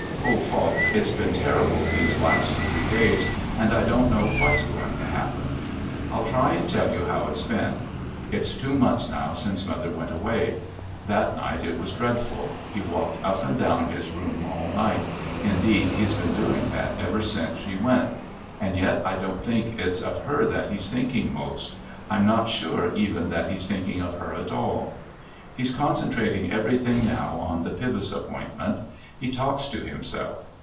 Oh, Falk, it's been terrible these last three days, and I don't know what's going to happen. I'll try and tell you how it's been. It's two months now since mother went away. That night it was dreadful. He walked up and down his room all night. Indeed he's been doing that ever since she went. And yet I don't think it's of her that he's thinking most. I'm not sure even that he's thinking of her at all. He's concentrating everything now on the Pybus appointment. He talks to himself.